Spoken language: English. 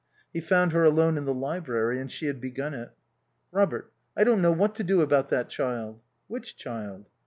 He found her alone in the library and she had begun it. "Robert, I don't know what to do about that child." "Which child?"